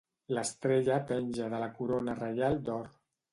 L'estrella penja de la corona reial d'or.